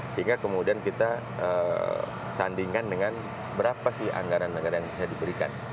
sehingga kemudian kita sandingkan dengan berapa sih anggaran anggaran yang bisa diberikan